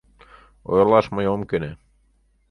Ойырлаш мый ом кӧнӧ».